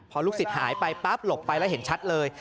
พอลูกศิษย์หายไปปั๊บหลบไปแล้วเห็นชัดเลย